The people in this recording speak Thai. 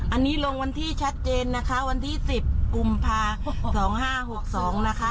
อันนี้ลงวันที่ชัดเจนนะคะวันที่สิบกุมภาสองห้าหกสองนะคะ